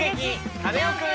カネオくん」。